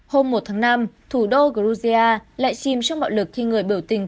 hôm một tháng năm thủ đô georgia lại chìm trong bạo lực khi người biểu tình